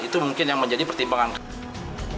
itu mungkin yang menjadi pertimbangan kami